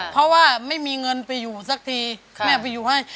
เพราะว่าไม่มีเงินไปอยู่สักทีแม่ไปอยู่ให้